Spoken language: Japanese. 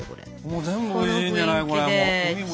もう全部おいしいんじゃないこれもう。